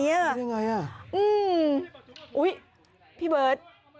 ยังไงอ่ะอืมอุ๊ยพี่เบิร์ต